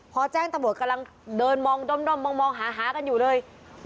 พอแจ้งตำรวจกำลังเดินมองด้อมมองหากันอยู่เลย